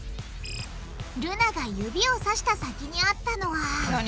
ルナが指をさした先にあったのは何？